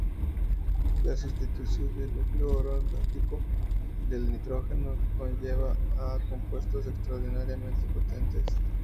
La sustitución del núcleo aromático del nitrógeno N conlleva a compuestos extraordinariamente potentes.